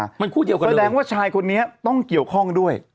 มันคู่เดียวกันแสดงว่าชายคนนี้ต้องเกี่ยวข้องด้วย